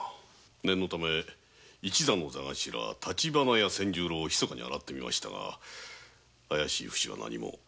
念のため座頭立花屋仙十郎をひそかに洗ってみましたが怪しいフシは何にも。